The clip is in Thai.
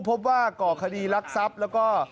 พบว่าก่อคดีลักรักษ์ทรัพย์และก็